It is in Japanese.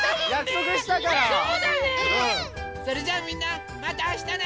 それじゃあみんなまたあしたね！